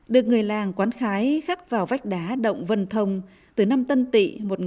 được người làng quán khái khắc vào vách đá động vần thông từ năm tân tị một nghìn sáu trăm bốn mươi một